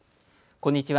こんにちは。